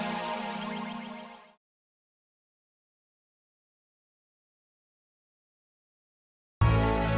nek pulang ya